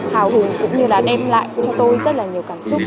hào hùng cũng như là đem lại cho tôi rất là nhiều cảm xúc